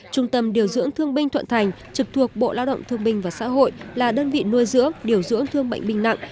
trung tâm điều dưỡng thương binh thuận thành trực thuộc bộ lao động thương binh và xã hội là đơn vị nuôi dưỡng điều dưỡng thương bệnh binh nặng